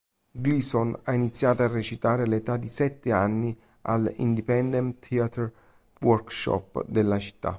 Gleeson ha iniziato a recitare all'età di sette anni all"'Independent Theatre Workshop" della città.